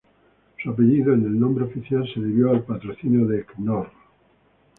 Su "apellido" en el nombre oficial se debió al patrocinio de Knorr.